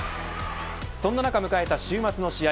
そんな中迎えた週末の試合